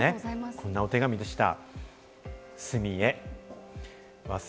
こんなお手紙でした。